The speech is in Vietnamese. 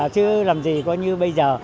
chứ làm gì có như bây giờ